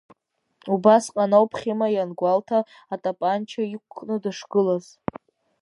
Убысҟан ауп Хьыма иангәалҭа атапанча иқәкны дышгылаз.